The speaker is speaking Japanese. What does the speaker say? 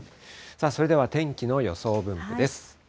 それでは天気の予想分布です。